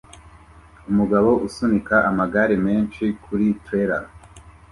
Umugabo usunika amagare menshi kuri trailer